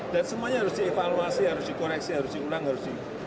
dan semuanya harus dievaluasi harus dikoreksi harus diulang harus di